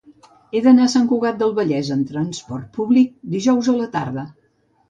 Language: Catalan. He d'anar a Sant Cugat del Vallès amb trasport públic dijous a la tarda.